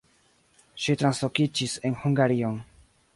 Ŝi translokiĝis en Hungarion.